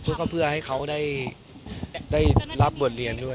ก็เพื่อให้เขาได้รับบทเรียนด้วย